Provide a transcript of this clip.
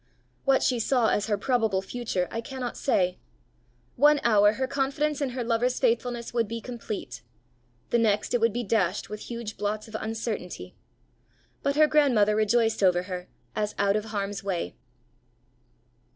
What she saw as her probable future, I cannot say; one hour her confidence in her lover's faithfulness would be complete, the next it would be dashed with huge blots of uncertainty; but her grandmother rejoiced over her as out of harm's way.